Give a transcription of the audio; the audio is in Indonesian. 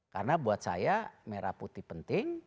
karena buat saya merah putih penting